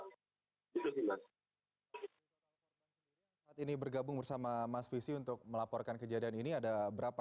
saat ini bergabung bersama mas visi untuk melaporkan kejadian ini ada berapa